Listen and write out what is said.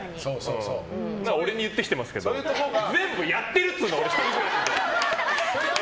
俺に言ってきてますけど全部やってるつうの。